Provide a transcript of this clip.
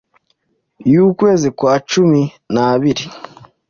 y'ukwezi kwa cumi na kabiri,